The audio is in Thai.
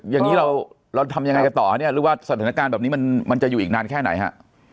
อย่างนี้เราทำยังไงกันต่อเนี่ยหรือว่าสถานการณ์แบบนี้มันจะอยู่อีกนานแค่ไหนฮะ